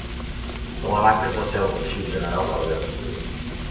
Salamanca és la seu de l'Arxiu General de la Guerra Civil.